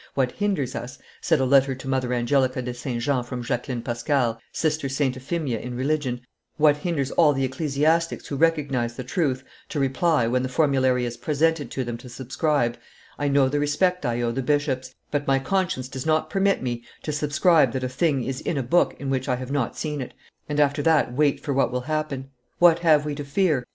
"What hinders us," said a letter to Mother Angelica de St. Jean from Jacqueline Pascal, Sister St. Euphemia in religion, "what hinders all the ecclesiastics who recognize the truth, to reply, when the formulary is presented to them to subscribe, 'I know the respect I owe the bishops, but my conscience does not permit me to subscribe that a thing is in a book in which I have not seen it,' and after that wait for what will happen? What have we to fear?